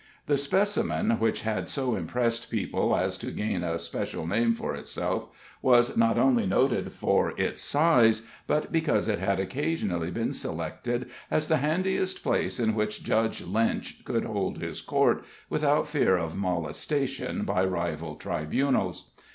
The specimen which had so impressed people as to gain a special name for itself was not only noted for its size, but because it had occasionally been selected as the handiest place in which Judge Lynch could hold his court without fear of molestation by rival tribunals.